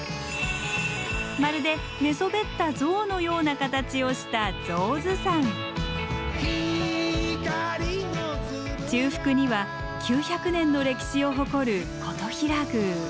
まるで寝そべった象のような形をした中腹には９００年の歴史を誇る金刀比羅宮。